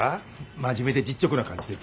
真面目で実直な感じ出て。